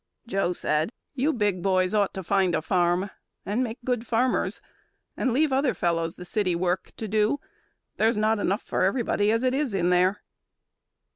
Joe said: "You big boys ought to find a farm, And make good farmers, and leave other fellows The city work to do. There's not enough For everybody as it is in there."